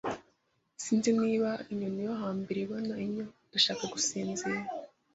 Sinzi niba inyoni yo hambere ibona inyo, ndashaka gusinzira.